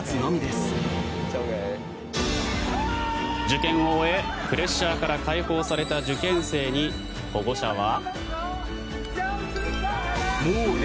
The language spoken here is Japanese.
受験を終えプレッシャーから解放された受験生に、保護者は。